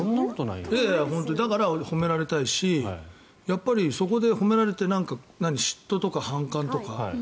だから褒められたいしやっぱり、そこで褒められて何、嫉妬とか反感とか？